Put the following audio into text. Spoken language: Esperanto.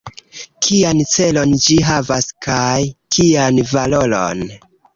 Kian celon ĝi havas, kaj kian valoron?